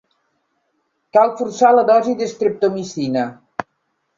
Cal forçar la dosi d'estreptomicina.